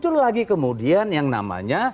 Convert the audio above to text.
dan kemudian muncul lagi